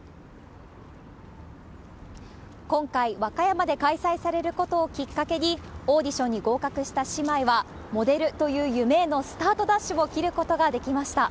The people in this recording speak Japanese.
今回、和歌山で開催されることをきっかけに、オーディションに合格した姉妹は、モデルという夢へのスタートダッシュを切ることができました。